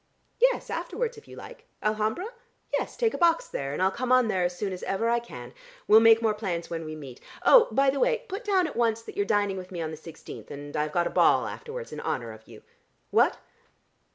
Yes, afterwards if you like. Alhambra? Yes, take a box there, and I'll come on there as soon as ever I can. We'll make more plans when we meet. Oh, by the way, put down at once that you're dining with me on the sixteenth, and I've got a ball afterwards in honour of you. What?"